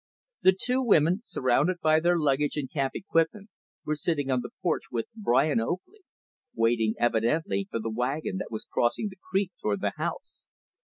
The two women, surrounded by their luggage and camp equipment, were sitting on the porch with Brian Oakley; waiting, evidently, for the wagon that was crossing the creek toward the house.